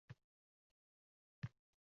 «Ko‘chada qolgan» genofond